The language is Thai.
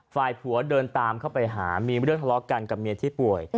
ฝ่ายผัวเดินตามเข้าไปหามีเรื่องทะเลาะกันกับเมียที่ป่วย